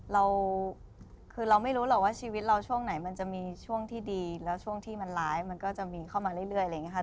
เราคือเราไม่รู้หรอกว่าชีวิตเราช่วงไหนมันจะมีช่วงที่ดีแล้วช่วงที่มันร้ายมันก็จะมีเข้ามาเรื่อยอะไรอย่างนี้ค่ะ